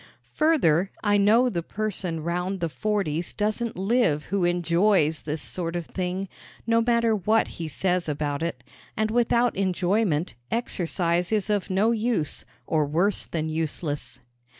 Further, I know the person round the forties doesn't live who enjoys this sort of thing no matter what he says about it; and without enjoyment exercise is of no use or worse than useless.